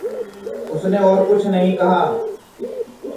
उसने और कुछ नहीं कहा।